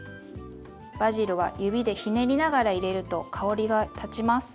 バジルは指でひねりながら入れると香りが立ちます。